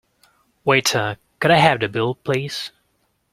Waiter, could I have the bill please?